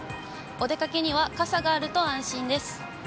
お出かけには傘があると安心です。